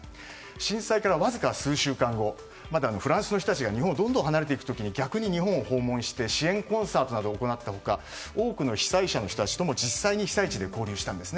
震災からわずか数週間後フランスの人たちが日本をどんどん離れていく時に逆に日本を訪問して支援コンサートなどを行った他多くの被災者の人たちと実際に被災地で交流したんです。